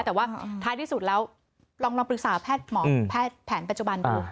แต่ว่าท้ายที่สุดแล้วลองปรึกษาแพทย์หมอแพทย์แผนปัจจุบันดู